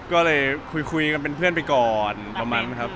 ก็เลยคุยกันเป็นเพื่อนไปก่อนประมาณครับ